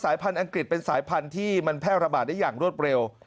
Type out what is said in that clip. พันธุ์อังกฤษเป็นสายพันธุ์ที่มันแพร่ระบาดได้อย่างรวดเร็ว